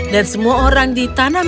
dan semua orang di tanah